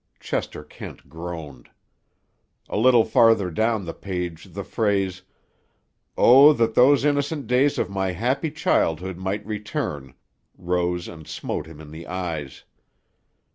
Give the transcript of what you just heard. Chester Kent groaned. A little farther down the page the phrase, "Oh, that those innocent days of my happy childhood might return!" rose and smote him in the eyes.